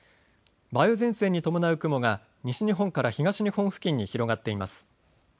梅雨前線に伴う雲が西日本から東日本付近に広がっています。